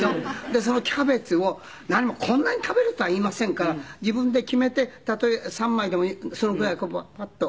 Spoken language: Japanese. でそのキャベツを何もこんなに食べろとは言いませんから自分で決めてたとえ３枚でもそのぐらいパッと。